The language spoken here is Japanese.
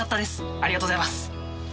ありがとうございます。